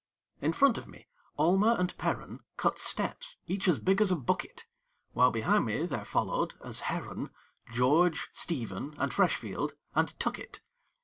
In front of me Almer and Perren Cut steps, each as big as a bucket; While behind me there followed, as Herren, George, Stephen, and Freshfield, and Tuckett.